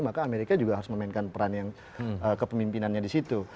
maka amerika juga harus memainkan peran yang kepemimpinannya di situ